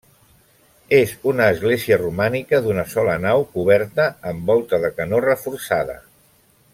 És una església romànica d'una sola nau coberta amb volta de canó reforçada.